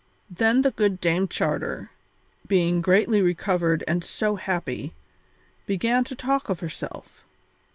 Then the good Dame Charter, being greatly recovered and so happy, began to talk of herself.